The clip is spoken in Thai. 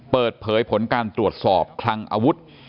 เปิดเผยผลการตรวจสอบคลังอาวุธ